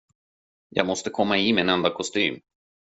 Jag måste komma i min enda kostym.